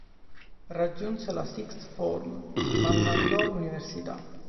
Raggiunse la sixth form, ma non andò all'università.